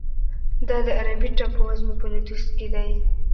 دا د عربي ټاپوزمې په لویدیځ کې دی.